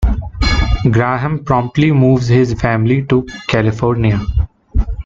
Graham promptly moves his family to California.